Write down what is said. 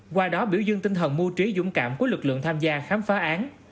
qua đó biểu dương tinh thần mưu trí dũng cảm của lực lượng tham gia khám phá án